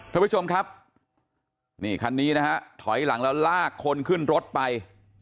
ท่านผู้ชมครับนี่คันนี้นะฮะถอยหลังแล้วลากคนขึ้นรถไป